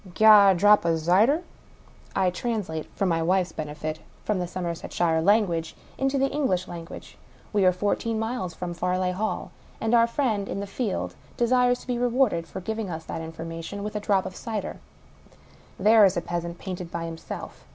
Gi' oi a drap o' zyder." I translate (for my wife's benefit) from the Somerset shire language into the English language. We are four teen miles from Farleigh Hall ; and our friend in the field desires to be rewarded, for giving us that information, with a drop of cider. There is the peasant, painted by himself